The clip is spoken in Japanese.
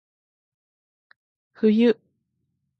冬